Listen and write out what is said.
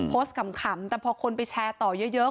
ขำแต่พอคนไปแชร์ต่อเยอะ